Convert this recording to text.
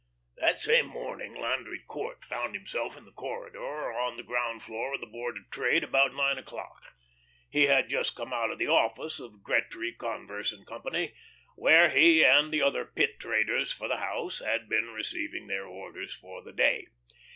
That same morning Landry Court found himself in the corridor on the ground floor of the Board of Trade about nine o'clock. He had just come out of the office of Gretry, Converse & Co., where he and the other Pit traders for the house had been receiving their orders for the day.